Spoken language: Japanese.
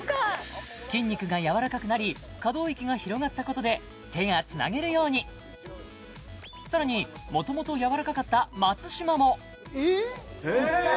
筋肉がやわらかくなり可動域が広がったことで手がつなげるようにさらにもともとやわらかかった松嶋もいった！